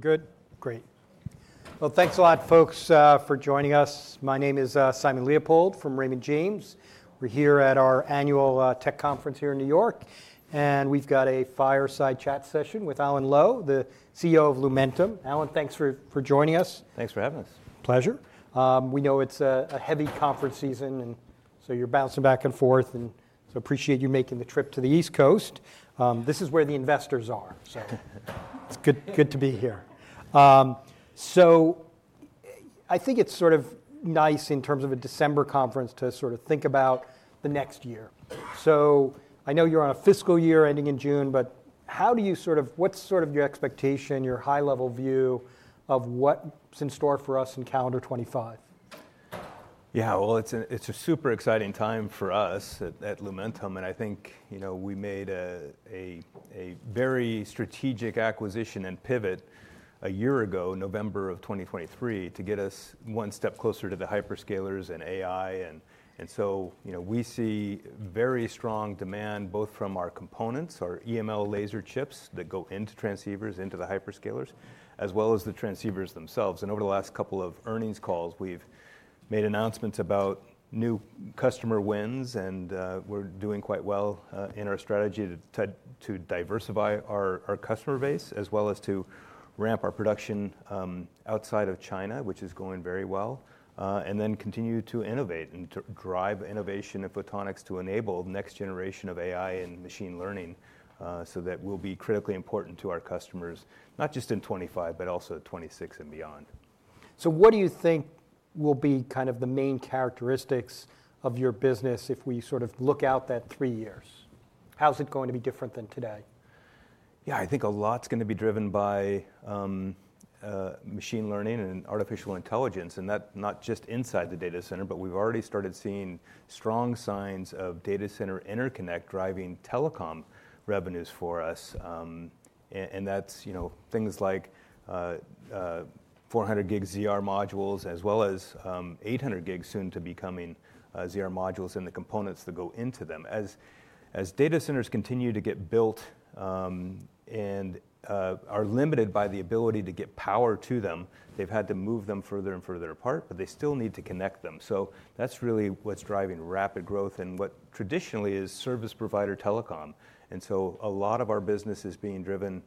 Good. Great. Thanks a lot, folks, for joining us. My name is Simon Leopold from Raymond James. We're here at our annual tech conference here in New York, and we've got a fireside chat session with Alan Lowe, the CEO of Lumentum. Alan, thanks for joining us. Thanks for having us. Pleasure. We know it's a heavy conference season, and so you're bouncing back and forth, and so appreciate you making the trip to the East Coast. This is where the investors are, so it's good to be here. So I think it's sort of nice in terms of a December conference to sort of think about the next year. So I know you're on a fiscal year ending in June, but how do you sort of, what's sort of your expectation, your high-level view of what's in store for us in calendar 2025? Yeah, well, it's a super exciting time for us at Lumentum, and I think, you know, we made a very strategic acquisition and pivot a year ago, November of 2023, to get us one step closer to the hyperscalers and AI, and so we see very strong demand both from our components, our EML laser chips that go into transceivers, into the hyperscalers, as well as the transceivers themselves, and over the last couple of earnings calls, we've made announcements about new customer wins, and we're doing quite well in our strategy to diversify our customer base, as well as to ramp our production outside of China, which is going very well, and then continue to innovate and drive innovation in photonics to enable the next generation of AI and machine learning, so that will be critically important to our customers, not just in 2025, but also 2026 and beyond. So what do you think will be kind of the main characteristics of your business if we sort of look out that three years? How's it going to be different than today? Yeah, I think a lot's going to be driven by machine learning and artificial intelligence, and that's not just inside the data center, but we've already started seeing strong signs of data center interconnect driving telecom revenues for us. And that's, you know, things like 400 GB ZR modules, as well as 800 GB soon to be coming ZR modules and the components that go into them. As data centers continue to get built and are limited by the ability to get power to them, they've had to move them further and further apart, but they still need to connect them. So that's really what's driving rapid growth and what traditionally is service provider telecom. And so a lot of our business is being driven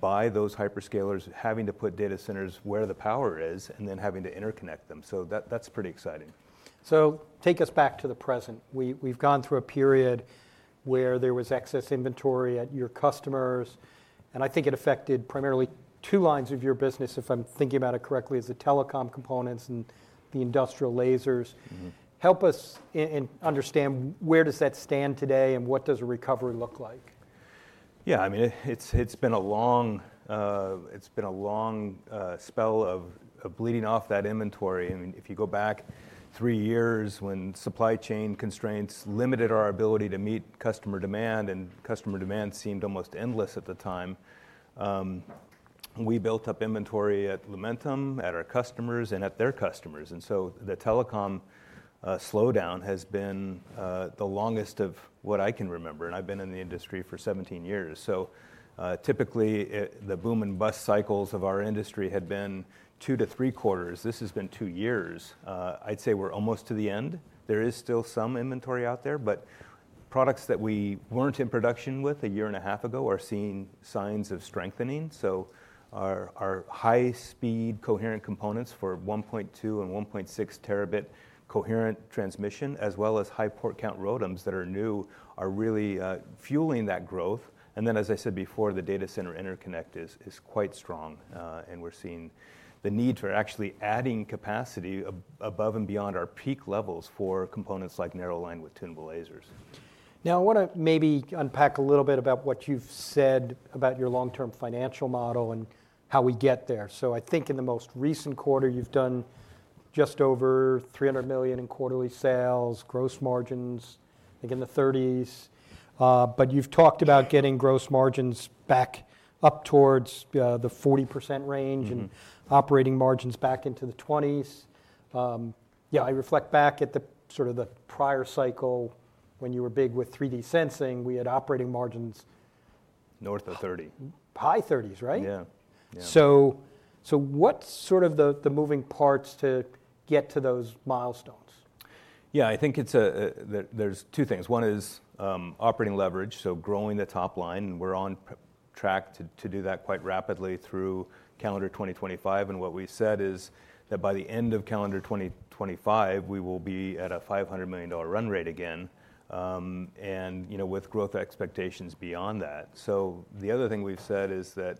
by those hyperscalers having to put data centers where the power is and then having to interconnect them. So that's pretty exciting. So take us back to the present. We've gone through a period where there was excess inventory at your customers, and I think it affected primarily two lines of your business, if I'm thinking about it correctly, as the telecom components and the industrial lasers. Help us understand where does that stand today and what does a recovery look like? Yeah, I mean, it's been a long spell of bleeding off that inventory. I mean, if you go back three years when supply chain constraints limited our ability to meet customer demand and customer demand seemed almost endless at the time, we built up inventory at Lumentum, at our customers, and at their customers, and so the telecom slowdown has been the longest of what I can remember, and I've been in the industry for 17 years, so typically the boom and bust cycles of our industry had been two to three quarters. This has been two years. I'd say we're almost to the end. There is still some inventory out there, but products that we weren't in production with a year and a half ago are seeing signs of strengthening. Our high-speed Coherent components for 1.2T and 1.6T Coherent transmission, as well as high port count ROADMs that are new, are really fueling that growth. As I said before, the data center interconnect is quite strong, and we're seeing the need for actually adding capacity above and beyond our peak levels for components like narrow linewidth tunable lasers. Now I want to maybe unpack a little bit about what you've said about your long-term financial model and how we get there. So I think in the most recent quarter you've done just over $300 million in quarterly sales, gross margins, I think in the 30s. But you've talked about getting gross margins back up towards the 40% range and operating margins back into the 20s. Yeah, I reflect back at the sort of the prior cycle when you were big with 3D sensing, we had operating margins. North of 30. High 30s, right? Yeah. So what's sort of the moving parts to get to those milestones? Yeah, I think there's two things. One is operating leverage, so growing the top line, and we're on track to do that quite rapidly through calendar 2025. And what we said is that by the end of calendar 2025, we will be at a $500 million run rate again, and you know, with growth expectations beyond that. So the other thing we've said is that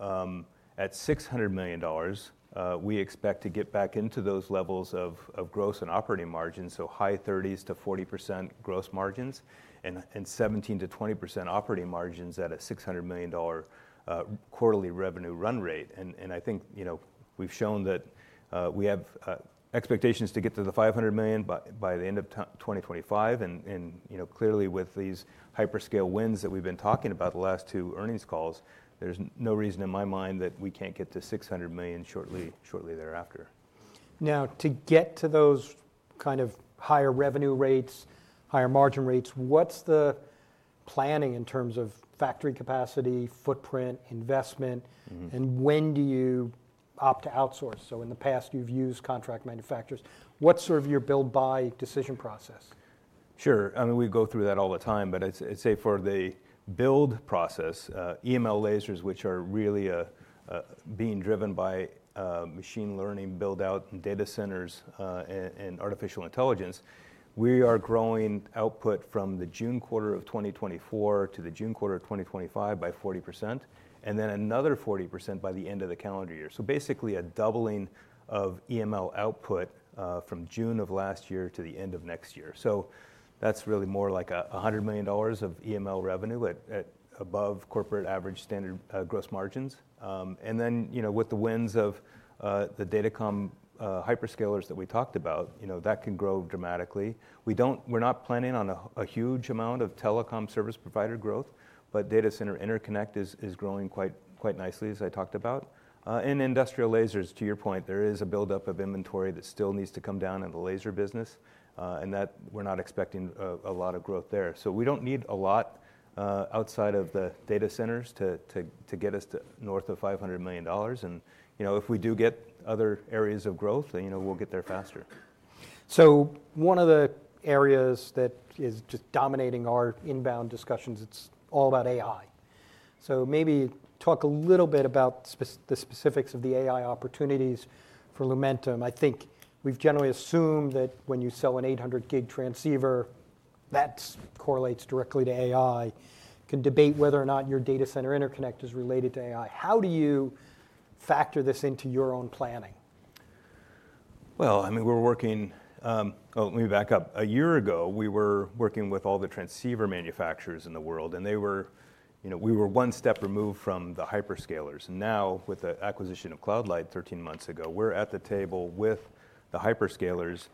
at $600 million, we expect to get back into those levels of gross and operating margins, so high 30%-40% gross margins and 17%-20% operating margins at a $600 million quarterly revenue run rate. And I think, you know, we've shown that we have expectations to get to the $500 million by the end of 2025. You know, clearly with these hyperscale wins that we've been talking about the last two earnings calls, there's no reason in my mind that we can't get to $600 million shortly thereafter. Now to get to those kind of higher revenue rates, higher margin rates, what's the planning in terms of factory capacity, footprint, investment, and when do you opt to outsource? So in the past, you've used contract manufacturers. What's sort of your build/buy decision process? Sure. I mean, we go through that all the time, but I'd say for the build process, EML lasers, which are really being driven by machine learning, build-out data centers, and artificial intelligence, we are growing output from the June quarter of 2024 to the June quarter of 2025 by 40%, and then another 40% by the end of the calendar year. So basically a doubling of EML output from June of last year to the end of next year. So that's really more like $100 million of EML revenue above corporate average standard gross margins. And then, you know, with the wins of the data hyperscalers that we talked about, you know, that can grow dramatically. We're not planning on a huge amount of telecom service provider growth, but data center interconnect is growing quite nicely, as I talked about. In industrial lasers, to your point, there is a buildup of inventory that still needs to come down in the laser business, and that we're not expecting a lot of growth there. So we don't need a lot outside of the data centers to get us to north of $500 million. And you know, if we do get other areas of growth, you know, we'll get there faster. So one of the areas that is just dominating our inbound discussions. It's all about AI. So maybe talk a little bit about the specifics of the AI opportunities for Lumentum. I think we've generally assumed that when you sell an 800 GB transceiver, that correlates directly to AI. Can debate whether or not your data center interconnect is related to AI. How do you factor this into your own planning? Well, I mean, we're working. Well, let me back up. A year ago, we were working with all the transceiver manufacturers in the world, and they were, you know, we were one step removed from the hyperscalers, and now with the acquisition of Cloud Light 13 months ago, we're at the table with the hyperscalers,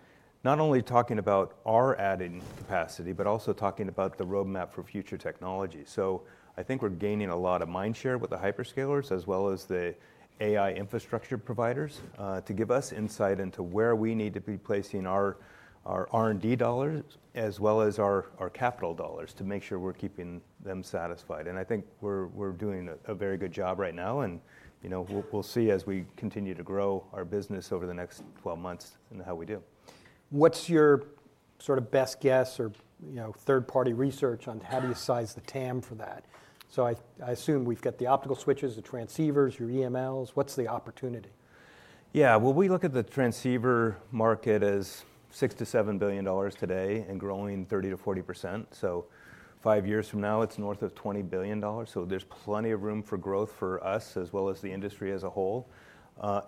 not only talking about our adding capacity, but also talking about the roadmap for future technology, so I think we're gaining a lot of mind share with the hyperscalers, as well as the AI infrastructure providers to give us insight into where we need to be placing our R&D dollars, as well as our capital dollars to make sure we're keeping them satisfied, and I think we're doing a very good job right now, and you know, we'll see as we continue to grow our business over the next 12 months and how we do. What's your sort of best guess or, you know, third-party research on how do you size the TAM for that? So I assume we've got the optical switches, the transceivers, your EMLs. What's the opportunity? Yeah, well, we look at the transceiver market as $6 billion-$7 billion today and growing 30%-40%. So five years from now, it's north of $20 billion. So there's plenty of room for growth for us as well as the industry as a whole.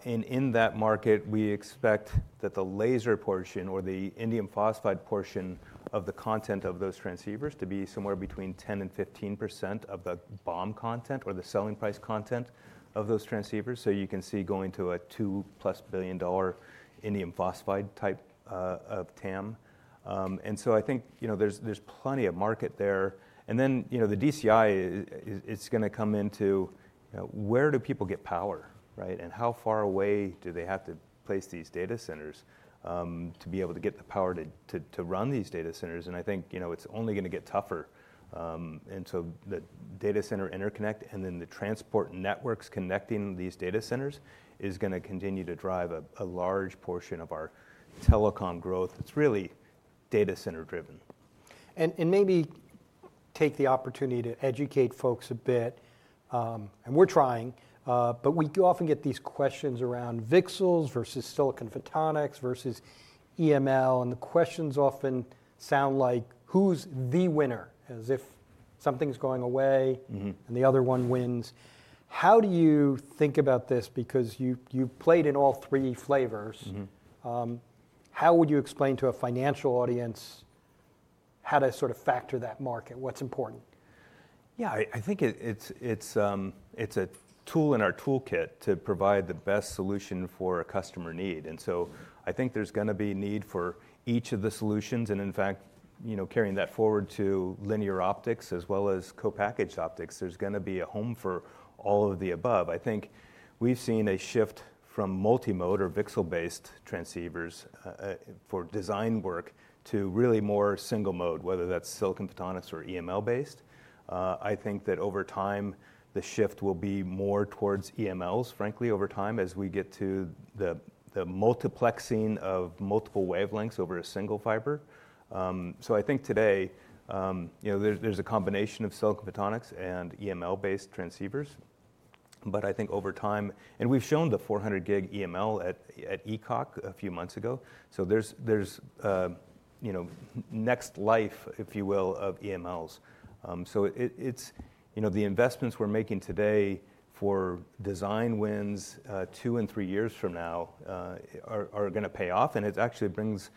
And in that market, we expect that the laser portion or the indium phosphide portion of the content of those transceivers to be somewhere between 10% and 15% of the BOM content or the selling price content of those transceivers. So you can see going to a $2+ billion indium phosphide type of TAM. And so I think, you know, there's plenty of market there. And then, you know, the DCI is going to come into, you know, where do people get power, right? How far away do they have to place these data centers to be able to get the power to run these data centers? I think, you know, it's only going to get tougher. So the data center interconnect and then the transport networks connecting these data centers is going to continue to drive a large portion of our telecom growth. It's really data center driven. Maybe take the opportunity to educate folks a bit. We're trying, but we often get these questions around VCSELs versus silicon photonics versus EML, and the questions often sound like who's the winner, as if something's going away and the other one wins. How do you think about this? Because you've played in all three flavors. How would you explain to a financial audience how to sort of factor that market? What's important? Yeah, I think it's a tool in our toolkit to provide the best solution for a customer need. And so I think there's going to be need for each of the solutions. And in fact, you know, carrying that forward to linear optics as well as co-packaged optics, there's going to be a home for all of the above. I think we've seen a shift from multi-mode or VCSEL-based transceivers for design work to really more single mode, whether that's silicon photonics or EML-based. I think that over time, the shift will be more towards EMLs, frankly, over time as we get to the multiplexing of multiple wavelengths over a single fiber. So I think today, you know, there's a combination of silicon photonics and EML-based transceivers, but I think over time, and we've shown the 400 GB EML at ECOC a few months ago. So there's, you know, next life, if you will, of EMLs. So it's, you know, the investments we're making today for design wins two and three years from now are going to pay off. And it actually brings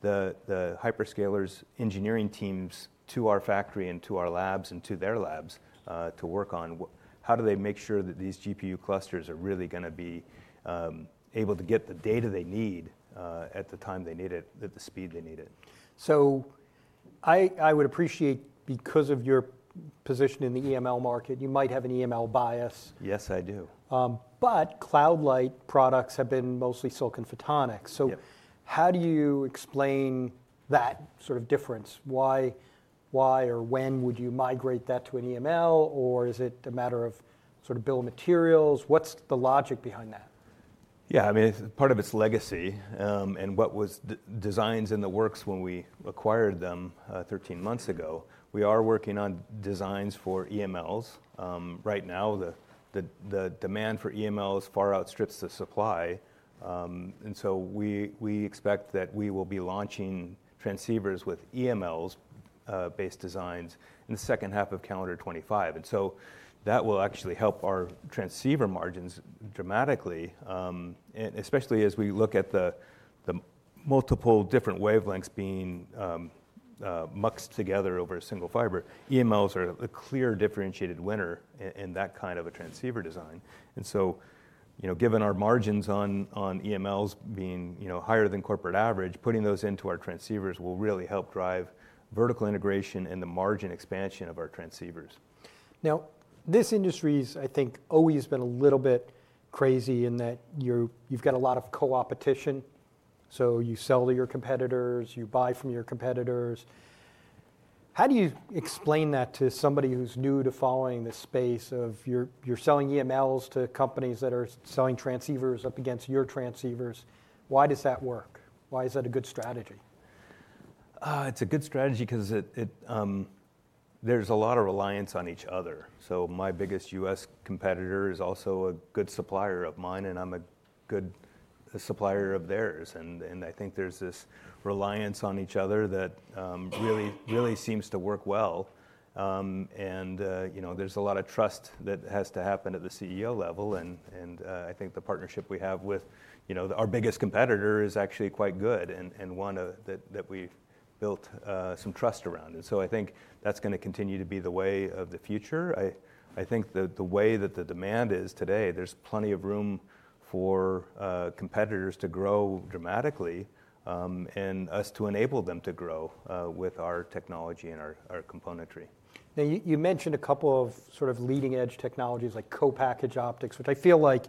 the hyperscalers' engineering teams to our factory and to our labs and to their labs to work on how do they make sure that these GPU clusters are really going to be able to get the data they need at the time they need it, at the speed they need it. So I would appreciate, because of your position in the EML market, you might have an EML bias. Yes, I do. But Cloud Light products have been mostly silicon photonics. So how do you explain that sort of difference? Why or when would you migrate that to an EML, or is it a matter of sort of bill of materials? What's the logic behind that? Yeah, I mean, it's part of its legacy and what were designs in the works when we acquired them 13 months ago. We are working on designs for EMLs. Right now, the demand for EMLs far outstrips the supply. And so we expect that we will be launching transceivers with EMLs-based designs in the second half of calendar 2025. And so that will actually help our transceiver margins dramatically, especially as we look at the multiple different wavelengths being maxed together over a single fiber. EMLs are a clear differentiated winner in that kind of a transceiver design. And so, you know, given our margins on EMLs being, you know, higher than corporate average, putting those into our transceivers will really help drive vertical integration and the margin expansion of our transceivers. Now, this industry's, I think, always been a little bit crazy in that you've got a lot of co-opetition. So you sell to your competitors, you buy from your competitors. How do you explain that to somebody who's new to following this space of you're selling EMLs to companies that are selling transceivers up against your transceivers? Why does that work? Why is that a good strategy? It's a good strategy because there's a lot of reliance on each other. So my biggest U.S. competitor is also a good supplier of mine, and I'm a good supplier of theirs. And I think there's this reliance on each other that really seems to work well. And you know, there's a lot of trust that has to happen at the CEO level. And I think the partnership we have with, you know, our biggest competitor is actually quite good and one that we built some trust around. And so I think that's going to continue to be the way of the future. I think the way that the demand is today, there's plenty of room for competitors to grow dramatically and us to enable them to grow with our technology and our componentry. Now, you mentioned a couple of sort of leading-edge technologies like co-packaged optics, which I feel like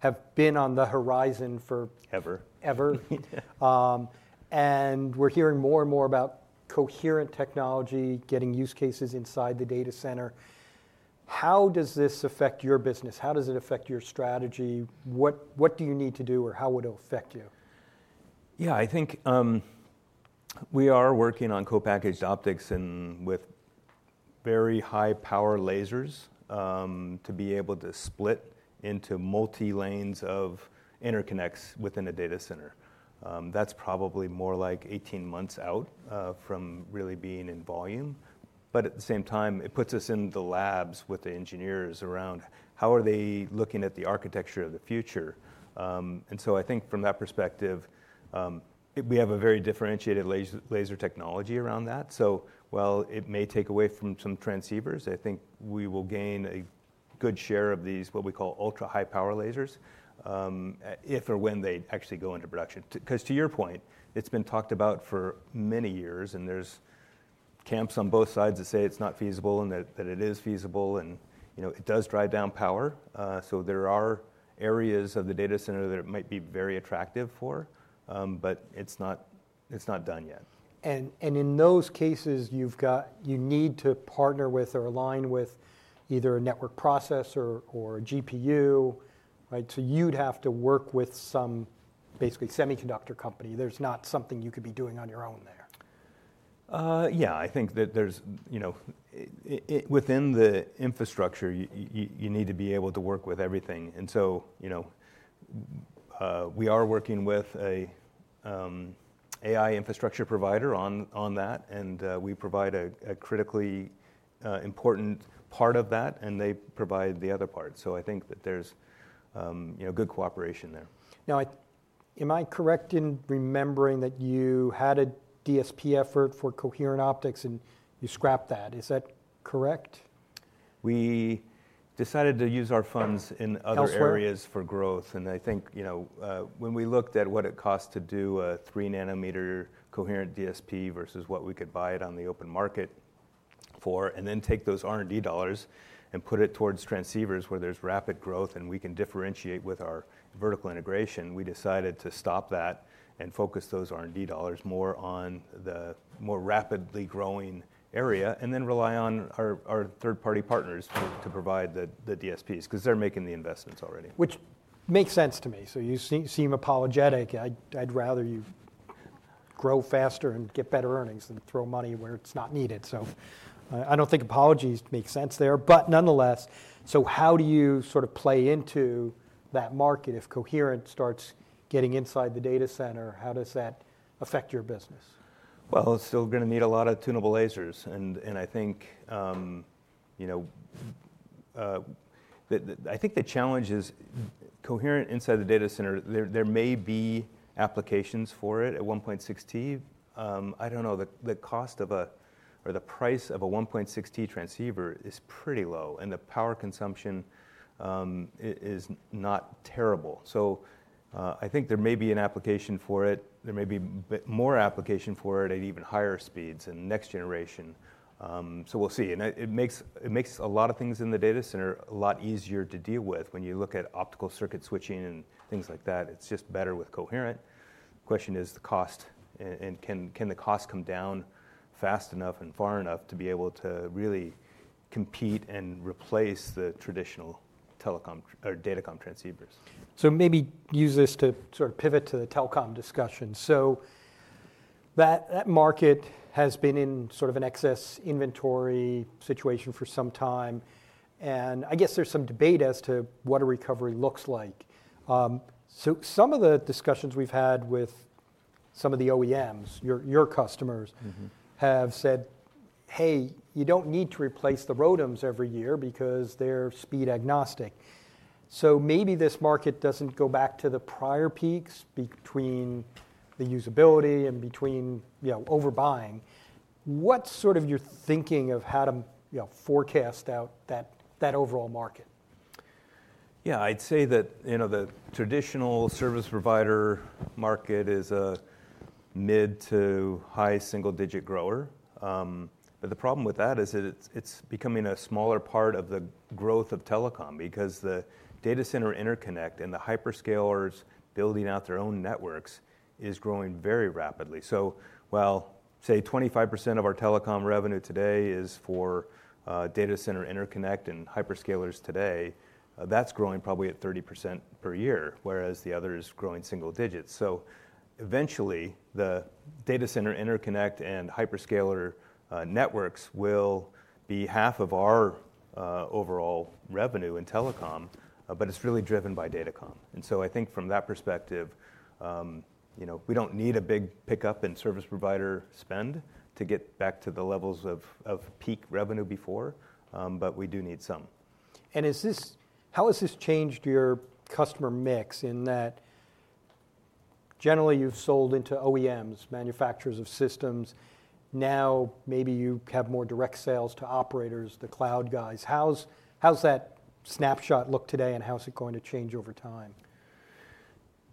have been on the horizon for. Ever. Ever. And we're hearing more and more about Coherent technology getting use cases inside the data center. How does this affect your business? How does it affect your strategy? What do you need to do or how would it affect you? Yeah, I think we are working on co-packaged optics and with very high-power lasers to be able to split into multi-lanes of interconnects within a data center. That's probably more like 18 months out from really being in volume. But at the same time, it puts us in the labs with the engineers around how are they looking at the architecture of the future. And so I think from that perspective, we have a very differentiated laser technology around that. So, well, it may take away from some transceivers. I think we will gain a good share of these what we call ultra-high power lasers if or when they actually go into production. Because to your point, it's been talked about for many years, and there's camps on both sides that say it's not feasible and that it is feasible. And you know, it does drive down power. So there are areas of the data center that it might be very attractive for, but it's not done yet. In those cases, you need to partner with or align with either a network processor or GPU, right? So you'd have to work with some basically semiconductor company. There's not something you could be doing on your own there. Yeah, I think that there's, you know, within the infrastructure, you need to be able to work with everything. And so, you know, we are working with an AI infrastructure provider on that, and we provide a critically important part of that, and they provide the other part. So I think that there's, you know, good cooperation there. Now, am I correct in remembering that you had a DSP effort for Coherent optics and you scrapped that? Is that correct? We decided to use our funds in other areas for growth, and I think, you know, when we looked at what it costs to do a three-nanometer Coherent DSP versus what we could buy it on the open market for, and then take those R&D dollars and put it towards transceivers where there's rapid growth and we can differentiate with our vertical integration, we decided to stop that and focus those R&D dollars more on the more rapidly growing area and then rely on our third-party partners to provide the DSPs because they're making the investments already. Which makes sense to me. So you seem apologetic. I'd rather you grow faster and get better earnings than throw money where it's not needed. So I don't think apologies make sense there, but nonetheless. So how do you sort of play into that market if Coherent starts getting inside the data center? How does that affect your business? It's still going to need a lot of tunable lasers. And I think, you know, I think the challenge is Coherent inside the data center. There may be applications for it at 1.6T. I don't know. The cost of a or the price of a 1.6T transceiver is pretty low, and the power consumption is not terrible. So I think there may be an application for it. There may be more application for it at even higher speeds and next generation. So we'll see. And it makes a lot of things in the data center a lot easier to deal with when you look at optical circuit switching and things like that. It's just better with Coherent. The question is the cost, and can the cost come down fast enough and far enough to be able to really compete and replace the traditional telecom or datacom transceivers? So maybe use this to sort of pivot to the telecom discussion. So that market has been in sort of an excess inventory situation for some time. And I guess there's some debate as to what a recovery looks like. So some of the discussions we've had with some of the OEMs, your customers, have said, "Hey, you don't need to replace the ROADMs every year because they're speed agnostic." So maybe this market doesn't go back to the prior peaks between the usability and between, you know, overbuying. What's sort of your thinking of how to forecast out that overall market? Yeah, I'd say that, you know, the traditional service provider market is a mid to high single-digit grower. But the problem with that is that it's becoming a smaller part of the growth of telecom because the data center interconnect and the hyperscalers building out their own networks is growing very rapidly. So, well, say 25% of our telecom revenue today is for data center interconnect and hyperscalers today. That's growing probably at 30% per year, whereas the other is growing single digits. So eventually, the data center interconnect and hyperscaler networks will be half of our overall revenue in telecom, but it's really driven by datacom. And so I think from that perspective, you know, we don't need a big pickup in service provider spend to get back to the levels of peak revenue before, but we do need some. And how has this changed your customer mix in that generally you've sold into OEMs, manufacturers of systems. Now maybe you have more direct sales to operators, the cloud guys. How's that snapshot look today, and how's it going to change over time?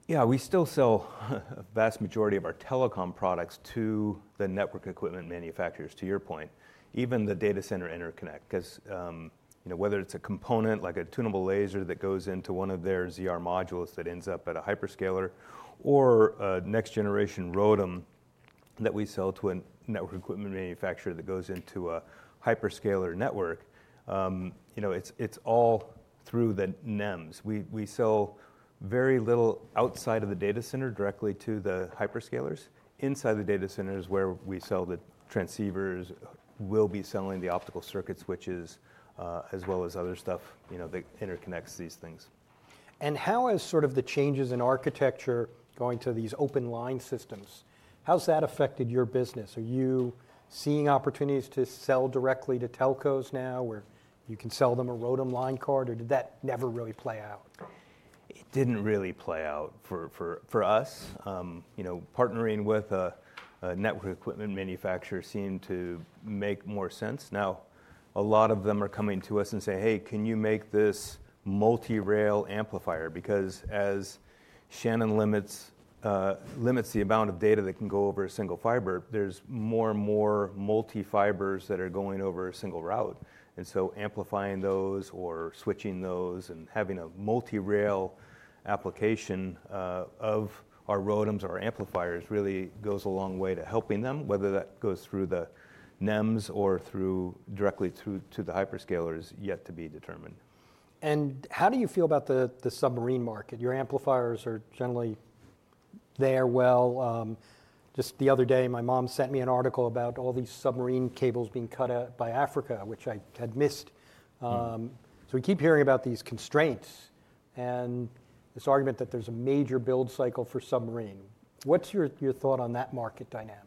Yeah, we still sell a vast majority of our telecom products to the network equipment manufacturers, to your point, even the data center interconnect, because, you know, whether it's a component like a tunable laser that goes into one of their ZR modules that ends up at a hyperscaler or a next-generation ROADM that we sell to a network equipment manufacturer that goes into a hyperscaler network, you know, it's all through the NEMs. We sell very little outside of the data center directly to the hyperscalers. Inside the data center is where we sell the transceivers, will be selling the optical circuit switches as well as other stuff, you know, that interconnects these things. How has sort of the changes in architecture going to these open line systems affected your business? Are you seeing opportunities to sell directly to telcos now where you can sell them a ROADM line card, or did that never really play out? It didn't really play out for us. You know, partnering with a network equipment manufacturer seemed to make more sense. Now, a lot of them are coming to us and say, "Hey, can you make this multi-rail amplifier?" Because as the Shannon Limit limits the amount of data that can go over a single fiber, there's more and more multi-fibers that are going over a single route. And so amplifying those or switching those and having a multi-rail application of our ROADMs or our amplifiers really goes a long way to helping them, whether that goes through the NEMs or directly through to the hyperscalers yet to be determined. How do you feel about the submarine market? Your amplifiers are generally there. Just the other day, my mom sent me an article about all these submarine cables being cut out by Africa, which I had missed. We keep hearing about these constraints and this argument that there's a major build cycle for submarine. What's your thought on that market dynamic?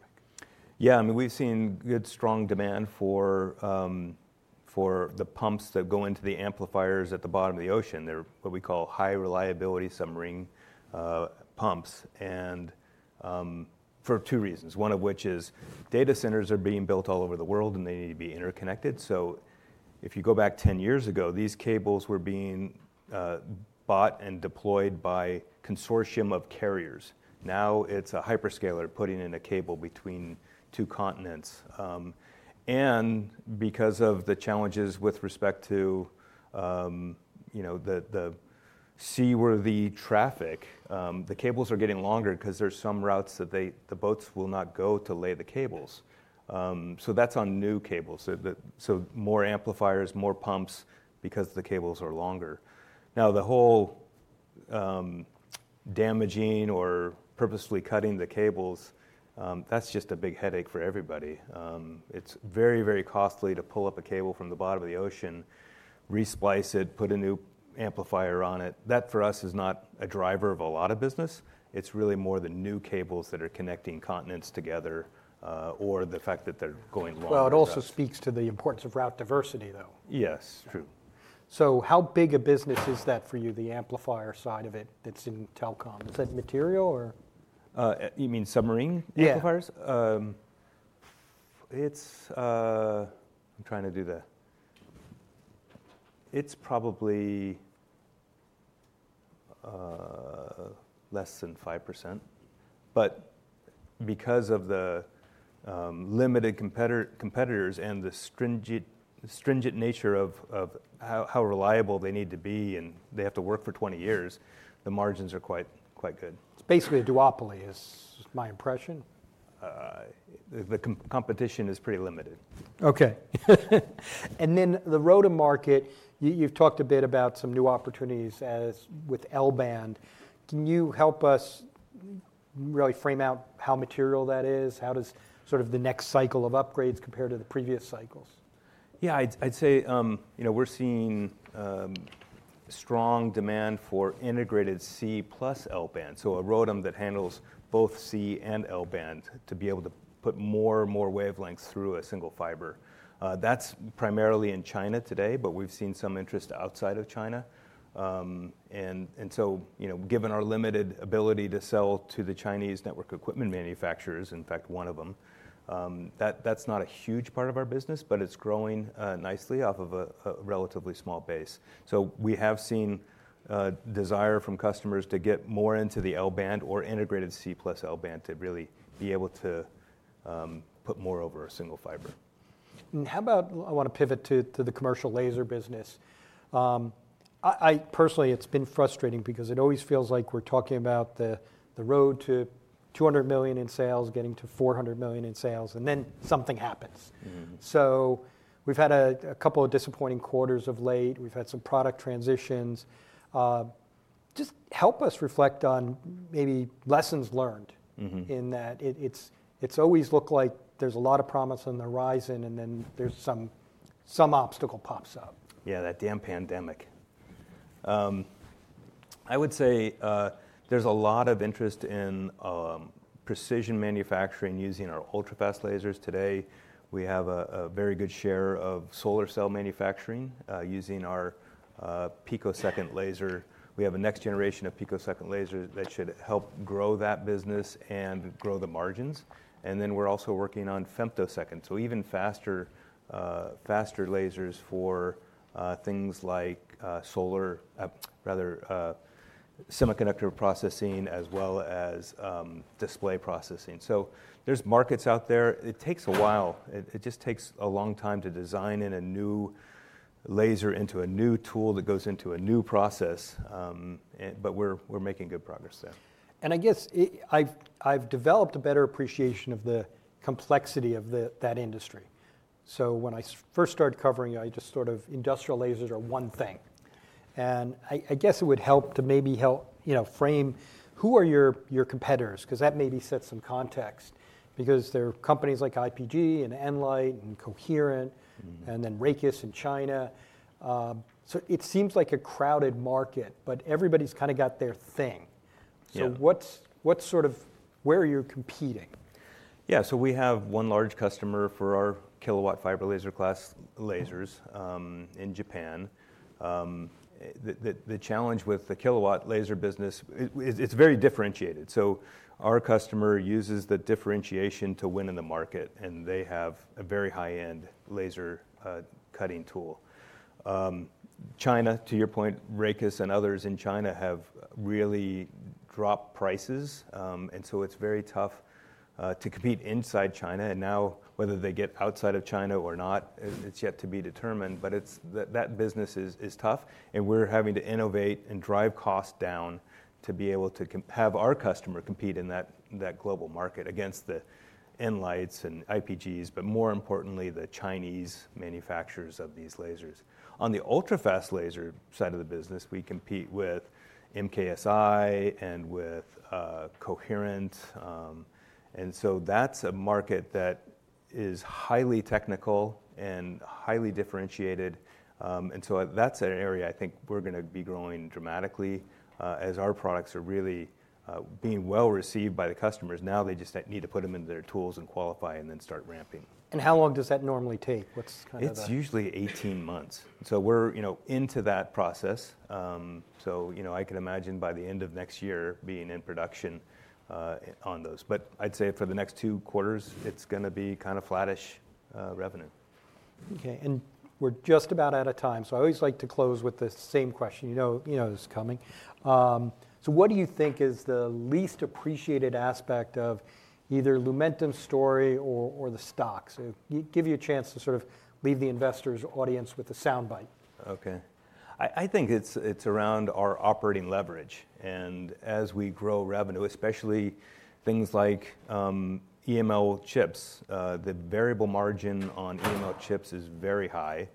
Yeah, I mean, we've seen good, strong demand for the pumps that go into the amplifiers at the bottom of the ocean. They're what we call high-reliability submarine pumps for two reasons, one of which is data centers are being built all over the world and they need to be interconnected. So if you go back 10 years ago, these cables were being bought and deployed by a consortium of carriers. Now it's a hyperscaler putting in a cable between two continents. And because of the challenges with respect to, you know, the seaworthy traffic, the cables are getting longer because there's some routes that the boats will not go to lay the cables. So that's on new cables. So more amplifiers, more pumps because the cables are longer. Now, the whole damaging or purposely cutting the cables, that's just a big headache for everybody. It's very, very costly to pull up a cable from the bottom of the ocean, resplice it, put a new amplifier on it. That for us is not a driver of a lot of business. It's really more the new cables that are connecting continents together or the fact that they're going longer. It also speaks to the importance of route diversity, though. Yes, true. So how big a business is that for you, the amplifier side of it that's in telecom? Is that material or? You mean submarine amplifiers? Yeah. It's probably less than 5%, but because of the limited competitors and the stringent nature of how reliable they need to be and they have to work for 20 years, the margins are quite good. It's basically a duopoly, is my impression. The competition is pretty limited. Okay. And then the ROADM market, you've talked a bit about some new opportunities with L-band. Can you help us really frame out how material that is? How does sort of the next cycle of upgrades compare to the previous cycles? Yeah, I'd say, you know, we're seeing strong demand for integrated C-band plus L-band, so a ROADM that handles both C-band and L-band to be able to put more and more wavelengths through a single fiber. That's primarily in China today, but we've seen some interest outside of China, and so, you know, given our limited ability to sell to the Chinese network equipment manufacturers, in fact, one of them, that's not a huge part of our business, but it's growing nicely off of a relatively small base, so we have seen desire from customers to get more into the L-band or integrated C-band plus L-band to really be able to put more over a single fiber. And how about, I want to pivot to the commercial laser business. I personally, it's been frustrating because it always feels like we're talking about the road to $200 million in sales, getting to $400 million in sales, and then something happens. So we've had a couple of disappointing quarters of late. We've had some product transitions. Just help us reflect on maybe lessons learned in that it's always looked like there's a lot of promise on the horizon and then some obstacle pops up. Yeah, that damn pandemic. I would say there's a lot of interest in precision manufacturing using our ultrafast lasers today. We have a very good share of solar cell manufacturing using our picosecond laser. We have a next generation of picosecond lasers that should help grow that business and grow the margins. And then we're also working on femtosecond, so even faster lasers for things like solar, rather semiconductor processing, as well as display processing. So there's markets out there. It takes a while. It just takes a long time to design in a new laser into a new tool that goes into a new process, but we're making good progress there. I guess I've developed a better appreciation of the complexity of that industry. When I first started covering, I just sort of industrial lasers are one thing. I guess it would help to maybe help, you know, frame who are your competitors? Because that maybe sets some context because there are companies like IPG and nLIGHT and Coherent and then Raycus in China. It seems like a crowded market, but everybody's kind of got their thing. What's sort of where you're competing? Yeah, so we have one large customer for our kilowatt fiber laser class lasers in Japan. The challenge with the kilowatt laser business, it's very differentiated. So our customer uses the differentiation to win in the market, and they have a very high-end laser cutting tool. China, to your point, Raycus and others in China have really dropped prices. And so it's very tough to compete inside China. And now whether they get outside of China or not, it's yet to be determined. But that business is tough. And we're having to innovate and drive costs down to be able to have our customer compete in that global market against the nLIGHTs and IPGs, but more importantly, the Chinese manufacturers of these lasers. On the ultrafast laser side of the business, we compete with MKSI and with Coherent. And so that's a market that is highly technical and highly differentiated. That's an area I think we're going to be growing dramatically as our products are really being well received by the customers. Now they just need to put them into their tools and qualify and then start ramping. How long does that normally take? What's kind of the? It's usually 18 months, so we're, you know, into that process, so, you know, I can imagine by the end of next year being in production on those, but I'd say for the next two quarters, it's going to be kind of flattish revenue. Okay. And we're just about out of time. So I always like to close with the same question. You know this is coming. So what do you think is the least appreciated aspect of either Lumentum's story or the stock? So give you a chance to sort of leave the investors' audience with a sound bite. Okay. I think it's around our operating leverage. And as we grow revenue, especially things like EML chips, the variable margin on EML chips is very high,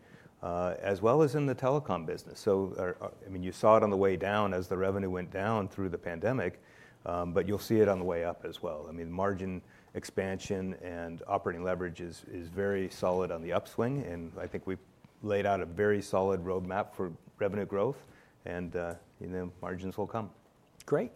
as well as in the telecom business. So, I mean, you saw it on the way down as the revenue went down through the pandemic, but you'll see it on the way up as well. I mean, margin expansion and operating leverage is very solid on the upswing. And I think we've laid out a very solid roadmap for revenue growth, and the margins will come. Great.